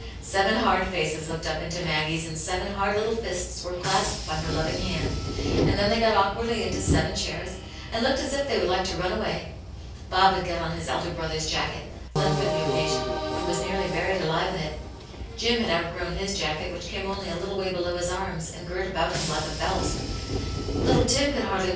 ^ Seven hard faces looked up into Maggie's, and seven hard little fists were clasped by her loving hand ; and then they got awkwardly into seven chairs^ and looked as if they would like to run away. Bob had got on his elder brother's jacket, lent for the occasion, and was nearly buried alive in it. Jim had outgrown his jacket, which came only a little way below his arms, and girt him about Uk^ a belt Little Tim could harA\v >Ni»?